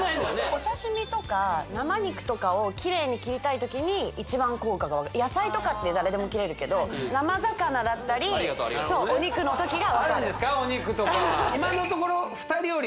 お刺身とか生肉とかをキレイに切りたい時に一番効果が野菜とかって誰でも切れるけど生魚だったりお肉の時が分かるありがとうありがとうあるんですか？